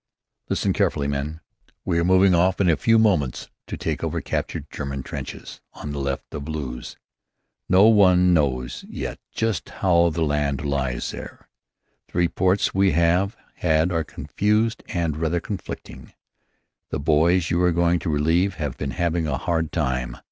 "Listen carefully, men. We are moving off in a few moments, to take over captured German trenches on the left of Loos. No one knows yet just how the land lies there. The reports we have had are confused and rather conflicting. The boys you are going to relieve have been having a hard time.